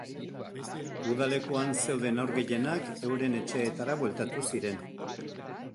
Udalekuan zeuden haur gehienak euren etxeetara bueltatu ziren.